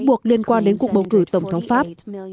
buộc liên quan đến cuộc bầu cử tổng thống pháp